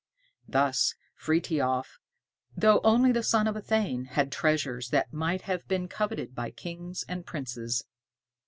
Thus Frithiof, though only the son of a thane, had treasures that might have been coveted by kings and princes.